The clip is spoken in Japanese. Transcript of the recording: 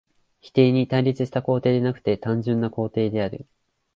否定に対立した肯定でなくて単純な肯定である。